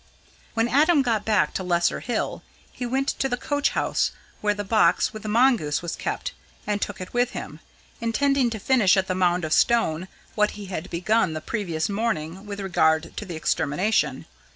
When Adam got back to Lesser Hill, he went to the coach house where the box with the mongoose was kept, and took it with him, intending to finish at the Mound of Stone what he had begun the previous morning with regard to the extermination.